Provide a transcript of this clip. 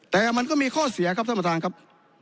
แต่มันก็มีข้อเสียครับท่านประธานครับ